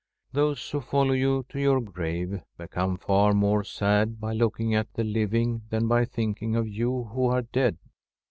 Those who follow you to your grave become far more sad by looking at the living than by thinking of you who are dead.